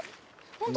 本当？